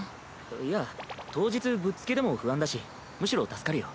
いや当日ぶっつけでも不安だしむしろ助かるよ。